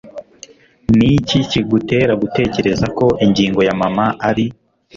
Niki kigutera gutekereza ko ingingo ya mama ari ...